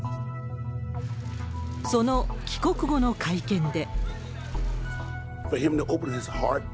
その帰国後の会見で。